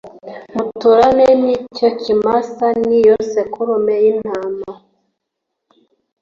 Muturane n icyo kimasa n iyo sekurume y intama